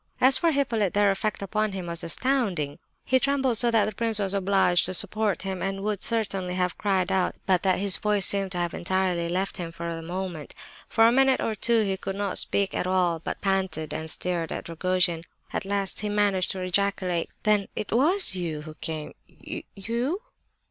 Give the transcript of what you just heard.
As for Hippolyte, their effect upon him was astounding. He trembled so that the prince was obliged to support him, and would certainly have cried out, but that his voice seemed to have entirely left him for the moment. For a minute or two he could not speak at all, but panted and stared at Rogojin. At last he managed to ejaculate: "Then it was you who came—you—_you?